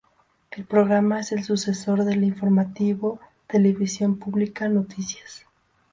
El programa es el sucesor del informativo "Televisión Pública noticias".